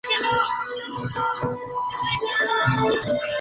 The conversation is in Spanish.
Con ello hizo su aparición el carlismo.